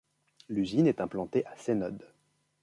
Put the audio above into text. L'usine est implantée à Seynod.